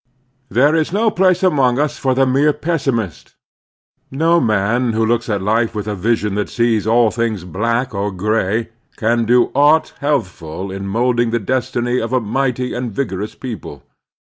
There is no place among us for the mere pessimist ; no man who looks at life with a vision that sees all things black or gray can do aught healthful in molding the destiny of a mighty and vigorous people.